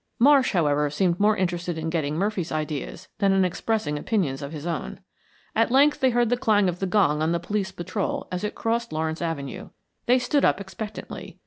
Marsh, however, seemed more interested in getting Murphy's ideas than in expressing opinions of his own. At length they heard the clang of the gong on the police patrol as it crossed Lawrence Avenue. They stood up expectantly.